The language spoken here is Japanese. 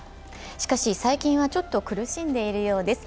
しかし、最近はちょっと苦しんでいるようです。